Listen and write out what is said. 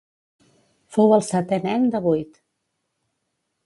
Fou el setè nen de vuit.